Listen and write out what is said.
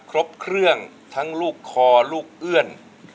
ครบเครื่องทั้งลูกคอลูกเอื้อน